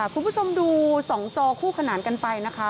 คุณผู้ชมดู๒จอคู่ขนานกันไปนะคะ